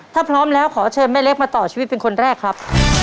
ถ้าพร้อมแล้วขอเชิญแม่เล็กมาต่อชีวิตเป็นคนแรกครับ